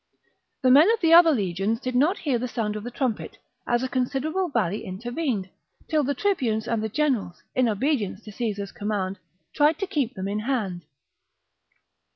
The men of the other legions did not wall of the , i r 1 • 1 1 1 town, hear the sound of the trumpet, as a considerable valley intervened ; still the tribunes and the generals, in obedience to Caesar's command, tried to keep them in hand.